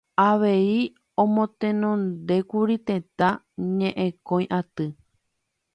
Avei omotenondékuri Tetã Ñe'ẽkõi Aty